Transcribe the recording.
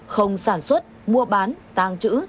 không sản xuất mua bán tàng chữ